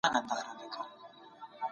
تاسو به د ژوند په هره برخه کي بریالي اوسئ.